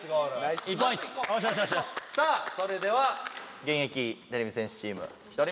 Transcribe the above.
さあそれでは現役てれび戦士チーム１人目。